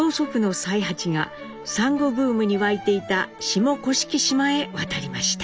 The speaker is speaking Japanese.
八がサンゴブームに沸いていた下甑島へ渡りました。